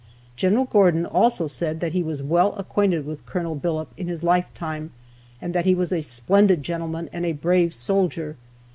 Gen. Gordon also said that he was well acquainted with Col. Billopp in his life time, and that he was a splendid gentleman and a brave soldier.